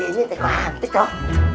ini teko ampik dong